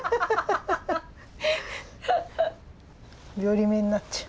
寄り目になっちゃう。